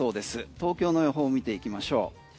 東京の予報見ていきましょう。